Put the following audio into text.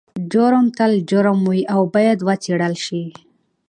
جرم تل جرم وي او باید وڅیړل شي.